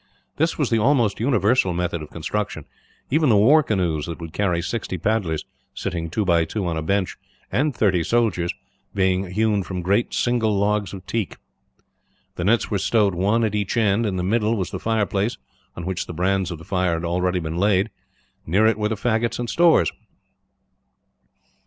This was the almost universal method of construction: even the war canoes, that would carry sixty paddlers sitting two by two on a bench and thirty soldiers, being hewn from great single logs of teak. The nets were stowed one, at each end. In the middle was the fireplace, on which the brands of the fire had already been laid. Near it were the faggots and stores.